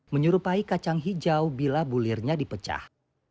menyerupai kacang hijau bila bulirnya dipecah